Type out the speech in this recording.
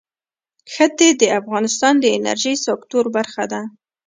ښتې د افغانستان د انرژۍ سکتور برخه ده.